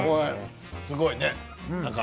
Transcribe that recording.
すごいね。